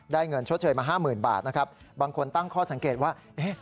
ได้เงินชดเฉยมา๕๐๐๐๐บาทนะครับบางคนตั้งข้อสังเกตว่า